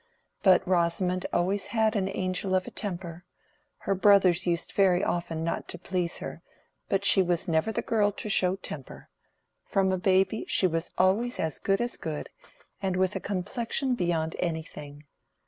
"But Rosamond always had an angel of a temper; her brothers used very often not to please her, but she was never the girl to show temper; from a baby she was always as good as good, and with a complexion beyond anything.